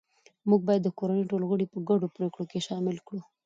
موږ باید د کورنۍ ټول غړي په ګډو پریکړو کې شامل کړو